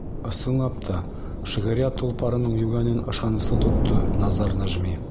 Ысынлап та, шиғриәт толпарының йүгәнен ышаныслы тотто Назар Нәжми.